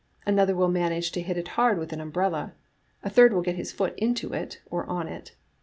Another will manage to hit it hard with an umbrella. A third will get his foot into it or on it.